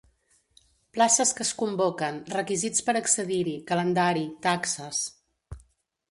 Places que es convoquen, requisits per accedir-hi, calendari, taxes...